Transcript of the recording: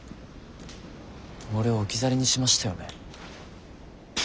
俺を置き去りにしましたよね？